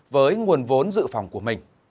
với nguồn vốn dự phòng của mình